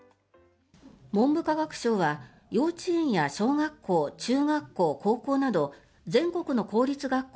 文部科学省は、幼稚園や小学校、中学校、高校など全国の公立学校